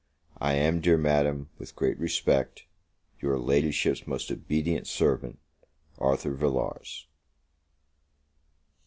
I am, dear Madam, with great respect, Your Ladyship's most obedient servant, ARTHUR VILLARS.